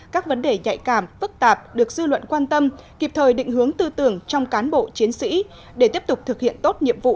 các vấn đề nhạy cảm phức tạp được dư luận quan tâm kịp thời định hướng tư tưởng trong cán bộ chiến sĩ để tiếp tục thực hiện tốt nhiệm vụ